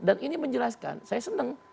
dan ini menjelaskan saya seneng